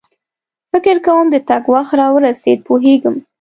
فکر کوم د تګ وخت را ورسېد، پوهېږم.